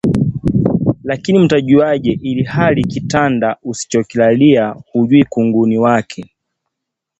Lakini mtajuaje ilhali kitanda usichokilalia hujui kunguni wake